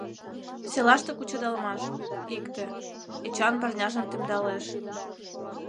Селаште кучедалмаш — икте, — Эчан парняжым темдалеш.